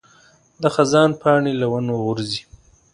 د خزان پاڼې له ونو غورځي.